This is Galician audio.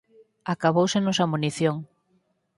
Acabóusenos a munición.